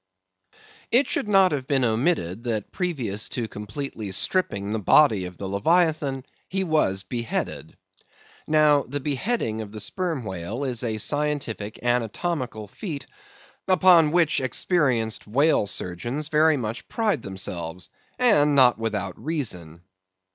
It should not have been omitted that previous to completely stripping the body of the leviathan, he was beheaded. Now, the beheading of the Sperm Whale is a scientific anatomical feat, upon which experienced whale surgeons very much pride themselves: and not without reason.